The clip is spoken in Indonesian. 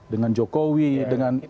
dengan jokowi dengan